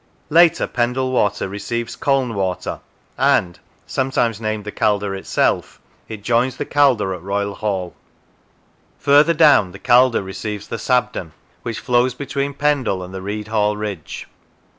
Later, Pendie Water receives Colne Water, and (sometimes named the Calder itself) it joins the Calder at Royle Hall. Further down the Calder receives the Sabden, which flows between Pendie and the Readhall ridge.